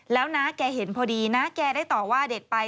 แล้วน้าแกเห็นพอดีนะแกได้ต่อว่าเด็กไป